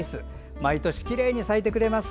毎年きれいに咲いてくれます。